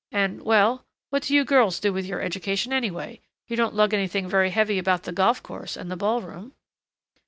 And well, what do you girls do with your education anyway? You don't lug anything very heavy about the golf course and the ball room."